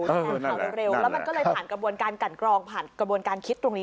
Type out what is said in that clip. แล้วมันก็เลยผ่านกระบวนการกันกรองผ่านกระบวนการคิดตรงนี้